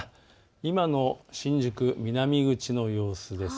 今の新宿南口の様子です。